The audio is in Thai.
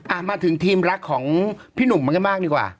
อ่ามาถึงทีมรักของพี่หนุ่มมันก็มากดีกว่า